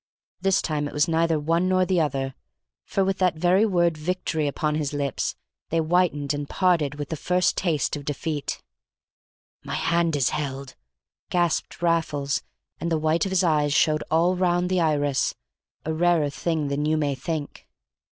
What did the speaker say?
This time it was neither one nor the other, for with that very word "victory" upon his lips, they whitened and parted with the first taste of defeat. "My hand's held!" gasped Raffles, and the white of his eyes showed all round the iris, a rarer thing than you may think.